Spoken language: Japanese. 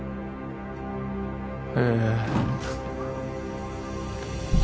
へえ